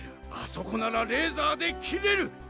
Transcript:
あそこならレーザーで切れる。